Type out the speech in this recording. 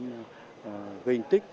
gây hình tích